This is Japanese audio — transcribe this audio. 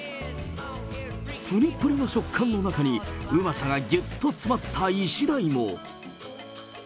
ぷりぷりの食感の中に、うまさがぎゅっと詰まったイシダイも。